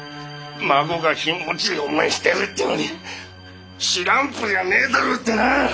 孫がひもじい思いしてるってのに知らんぷりはねえだろってな！